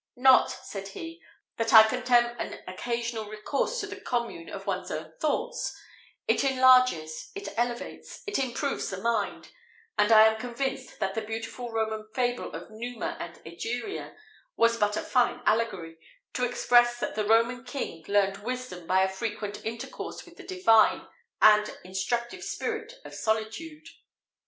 "Not," said he, "that I contemn an occasional recourse to the commune of one's own thoughts; it enlarges, it elevates, it improves the mind; and I am convinced that the beautiful Roman fable of Numa and Egeria was but a fine allegory, to express that the Roman king learned wisdom by a frequent intercourse with the divine and instructive spirit of solitude.